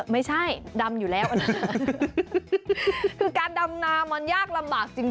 ไม่ใช่ดำอยู่แล้วนะคือการดำนามันยากลำบากจริง